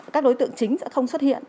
các đối tượng chính sẽ không xuất hiện